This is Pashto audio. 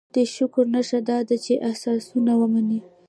دې شکر نښه دا ده چې احسانونه ومني.